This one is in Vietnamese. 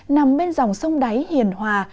nằm bên dòng sông đáy hiền hòa